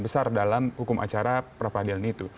besar dalam hukum acara perapadilan itu